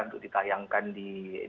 untuk ditayangkan di